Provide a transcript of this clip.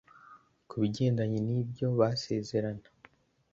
ku bigendanye n’ibyo basezerana